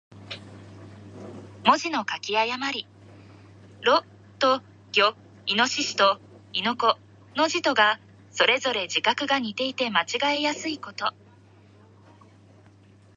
文字の書き誤り。「魯」と「魚」、「亥」と「豕」の字とが、それぞれ字画が似ていて間違えやすいということ。